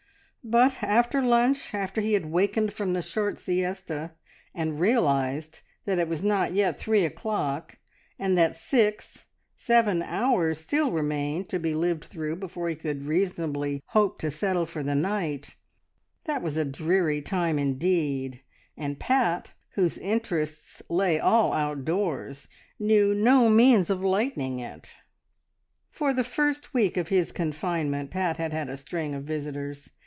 But, after lunch, after he had wakened from the short siesta; and realised that it was not yet three o'clock, and that six, seven hours still remained to be lived through before he could reasonably hope to settle for the night that was a dreary time indeed, and Pat, whose interests lay all outdoors, knew no means of lightening it. For the first week of his confinement Pat had had a string of visitors.